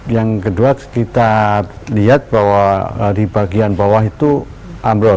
yang kedua kita lihat bahwa di bagian bawah itu ambrol